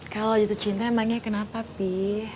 kalau youtu cinta emangnya kenapa pi